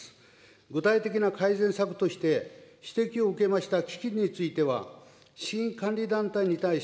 具体的な改善策として、指摘を受けました基金については、新管理団体に対し、